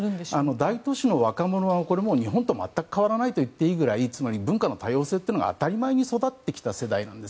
大都市の若者はもう日本と全く変わらないといっていいくらいつまり、文化の多様性というのが当たり前に育ってきた世代です。